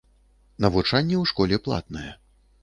Навучанне ў школе платнае.